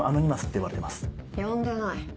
呼んでない。